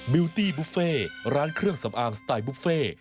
วิวตี้บุฟเฟ่ร้านเครื่องสำอางสไตล์บุฟเฟ่